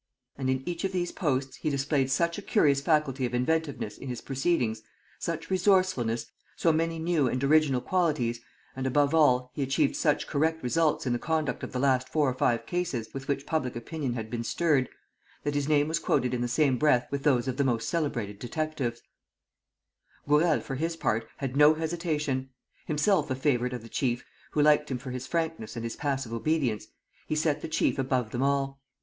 And in each of these posts he displayed such a curious faculty of inventiveness in his proceedings, such resourcefulness, so many new and original qualities; and above all, he achieved such correct results in the conduct of the last four or five cases with which public opinion had been stirred, that his name was quoted in the same breath with those of the most celebrated detectives. Gourel, for his part, had no hesitation. Himself a favourite of the chief, who liked him for his frankness and his passive obedience, he set the chief above them all.